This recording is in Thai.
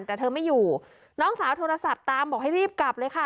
แต่เธอไม่อยู่น้องสาวโทรศัพท์ตามบอกให้รีบกลับเลยค่ะ